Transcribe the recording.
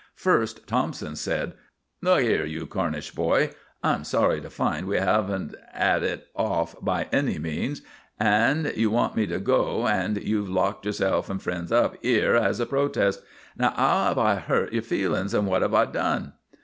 First Thompson said: "Look 'ere, you Cornish boy, I'm sorry to find we 'aven't 'it it off by any means, and you want me to go, and you've locked yourself and friends up 'ere as a protest. Now, 'ow 'ave I 'urt your feelings, and what have I done?"